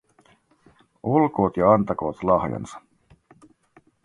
Olkoot ja antakoot lahjansa.